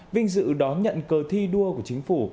vinh dự đón nhận cơ thi đua của chính phủ